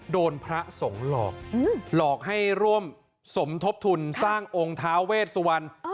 พระสงฆ์หลอกหลอกให้ร่วมสมทบทุนสร้างองค์ท้าเวชสุวรรณ